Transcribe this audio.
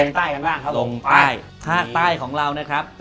ใส่ใต้ชั้นบ้างครับผม